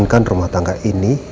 tentang rumah tangga ini